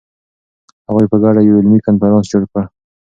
هغوی په ګډه یو علمي کنفرانس جوړ کړ.